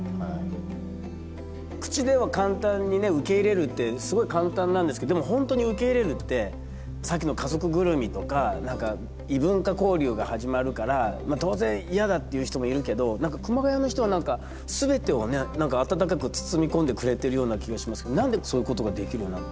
口では簡単にね受け入れるってすごい簡単なんですけどでも本当に受け入れるってさっきの家族ぐるみとか異文化交流が始まるからまあ当然嫌だっていう人もいるけど熊谷の人は何か全てを温かく包み込んでくれてるような気がしますけど何でそういうことができるようになったんですか？